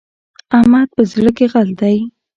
احمد په زړه کې غل دی.